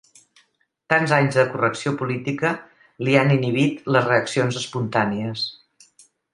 Tants anys de correcció política li han inhibit les reaccions espontànies.